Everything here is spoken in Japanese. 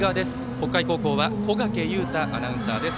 北海高校は小掛雄太アナウンサーです。